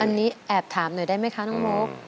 อันนี้แอบถามหน่อยได้ไหมคะน้องโมค